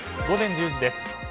午前１０時です。